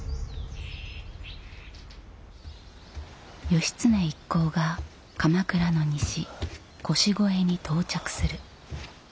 義経一行が鎌倉の西腰越に到着する。